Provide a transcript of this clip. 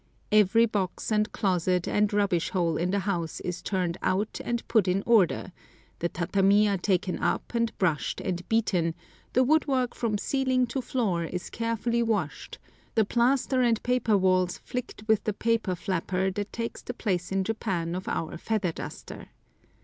Every box and closet and rubbish hole in the house is turned out and put in order, the tatami are taken up and brushed and beaten, the woodwork from ceiling to floor is carefully washed, the plaster and paper walls flicked with the paper flapper that takes the place in Japan of our feather duster.